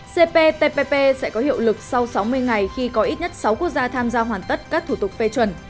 cptpp sẽ có hiệu lực sau sáu mươi ngày khi có ít nhất sáu quốc gia tham gia hoàn tất các thủ tục phê chuẩn